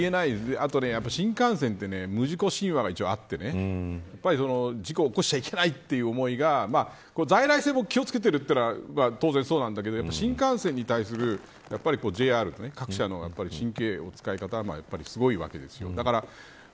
あと新幹線って無事故神話が一応あって事故を起こしちゃいけないという思いが在来線も気を付けてるのは当然そうなんだけど新幹線に対するＪＲ各社の神経の使い方はやっぱりすごいわけです。